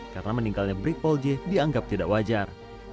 karena meninggalnya brikpol j dianggap tidak wajar